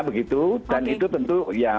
begitu dan itu tentu ya